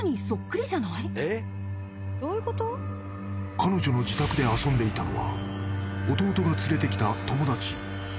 ［彼女の自宅で遊んでいたのは弟が連れてきた友達］